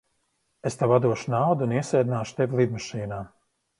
Es tev atdošu naudu un iesēdināšu tevi lidmašīnā.